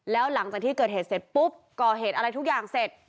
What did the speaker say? แล้วหลังจากที่เกิดเหตุเสร็จปุ๊บก่อเหตุอะไรทุกอย่างเสร็จ